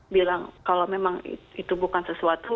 bilang kalau memang itu bukan sesuatu